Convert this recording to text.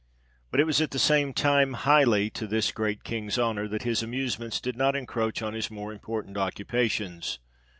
But it was at the same time highly to this great King's honour that his amusements did not enroach on his more important occupations.